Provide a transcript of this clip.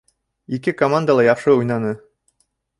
Ике команда ла яҡшы уйнаны.